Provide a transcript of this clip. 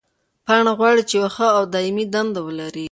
پاڼه غواړي چې یوه ښه او دایمي دنده ولري.